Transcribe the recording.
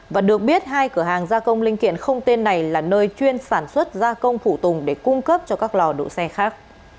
và được biết hai cửa hàng gia công linh kiện không tên này là nơi chuyên sản xuất gia công phụ tùng để cung cấp cho các lò độ xe khác